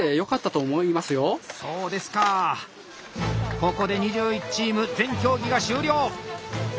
ここで２１チーム全競技が終了！